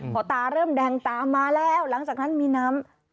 พอตาเริ่มแดงตามมาแล้วหลังจากนั้นมีน้ำ